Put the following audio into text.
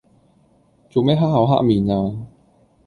做咩黑口黑面呀？